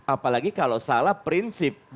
apalagi kalau salah prinsip